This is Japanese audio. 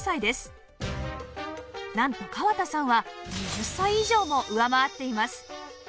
なんと川田さんは２０歳以上も上回っています